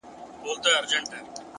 خاموشه هڅه لویې پایلې زېږوي!